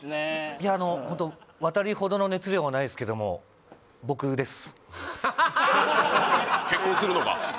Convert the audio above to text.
いやあのホントワタリほどの熱量はないですけども結婚するのが？